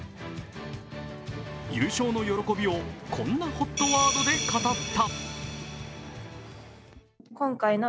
優勝の喜びをこんなＨＯＴワードで語った。